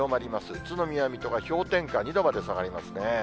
宇都宮、水戸が氷点下２度まで下がりますね。